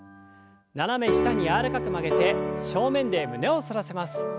斜め下に柔らかく曲げて正面で胸を反らせます。